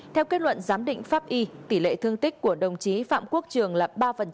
theo kết luận giám định pháp y tỷ lệ thương tích của đồng chí phạm quốc trường là ba